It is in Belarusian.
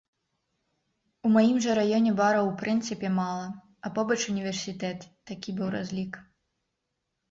У маім жа раёне бараў у прынцыпе мала, а побач універсітэт, такі быў разлік.